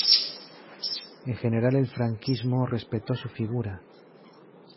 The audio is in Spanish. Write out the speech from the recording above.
En general, el franquismo respetó su figura.